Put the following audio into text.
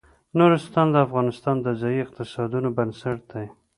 نورستان د افغانستان د ځایي اقتصادونو بنسټ دی.